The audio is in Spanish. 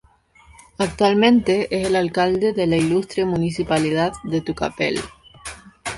Actualmente es el Alcalde de la Ilustre Municipalidad de Tucapel.